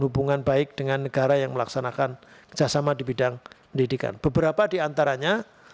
hubungan baik dengan negara yang melaksanakan kerjasama di bidang pendidikan beberapa diantaranya